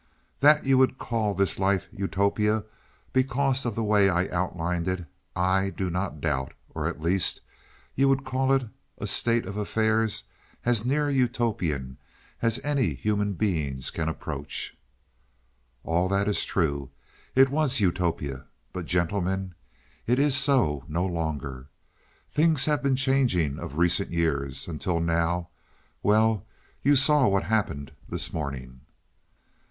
That you would call this life Utopia, because of the way I outlined it, I do not doubt; or at least you would call it a state of affairs as near Utopian as any human beings can approach. "All that is true; it was Utopia. But gentlemen, it is so no longer. Things have been changing of recent years, until now well you saw what happened this morning.